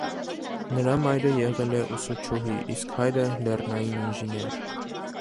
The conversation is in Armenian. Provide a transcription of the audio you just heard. Նրա մայրը եղել է ուսուցչուհի, իսկ հայրը՝ լեռնային ինժեներ։